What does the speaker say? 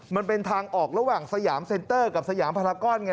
มันเป็นทางออกระหว่างสยามเซ็นเตอร์กับสยามพลากรไง